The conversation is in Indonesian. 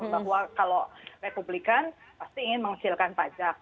mbak dina kalau republikan pasti ingin menghasilkan pajak